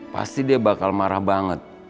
pasti dia bakal marah banget